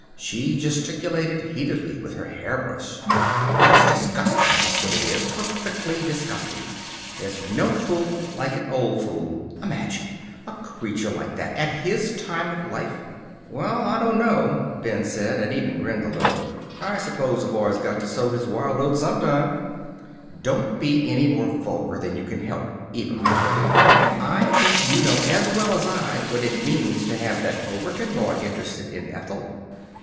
She gesticulated heatedly with her hairbrush. "It's disgusting, that's what it is. Perfectly disgusting. There's no fool like an old fool. Imagine! A creature like that. At his time of life." "Well, I don't know," Ben said, and even grinned a little. "I suppose a boy's got to sow his wild oats sometime." "Don't be any more vulgar than you can help," Eva retorted. "And I think you know, as well as I, what it means to have that Overton boy interested in Ethel."